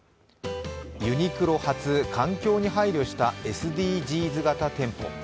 ユニクロ初、環境に配慮したＳＤＧｓ型店舗。